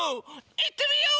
いってみよう！